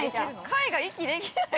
貝が息できない